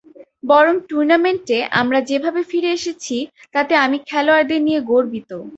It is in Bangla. বরং টুর্নামেন্টে আমরা যেভাবে ফিরে এসেছি, তাতে আমি খেলোয়াড়দের নিয়ে গর্বিত।